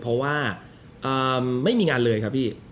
เพราะว่าไม่มีงานเลยครับพี่